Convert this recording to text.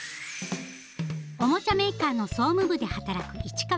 おもちゃメーカーの総務部で働く市川さん。